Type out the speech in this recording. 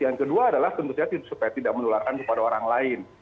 yang kedua adalah tentu saja supaya tidak menularkan kepada orang lain